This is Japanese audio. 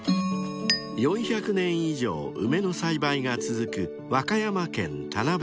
［４００年以上梅の栽培が続く和歌山県田辺市］